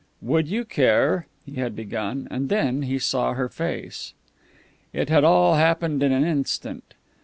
"Would you care ?" he had begun, and then he saw her face. It had all happened in an instant.